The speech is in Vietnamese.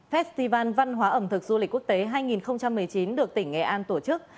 festival văn hóa ẩm thực du lịch quốc tế hai nghìn một mươi chín được tỉnh nghệ an tổ chức